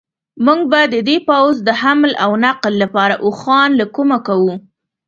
موږ به د دې پوځ د حمل و نقل لپاره اوښان له کومه کوو.